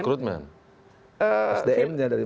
sdm nya dari mana